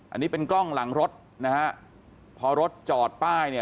อันนี้เป็นกล้องหลังรถนะฮะพอรถจอดป้ายเนี่ย